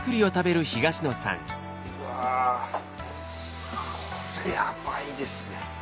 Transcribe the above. うわこれヤバいですね